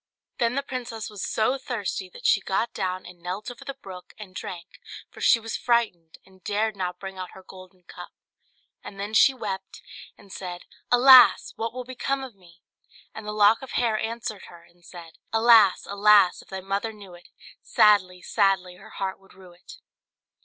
Then the princess was so thirsty that she got down, and knelt over the brook and drank, for she was frightened, and dared not bring out her golden cup; and then she wept, and said "Alas! what will become of me?" And the lock of hair answered her, and said "Alas! alas! if thy mother knew it, Sadly, sadly her heart would rue it."